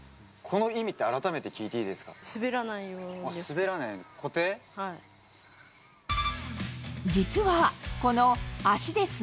この意味って、改めて聞いていい滑らないようにです。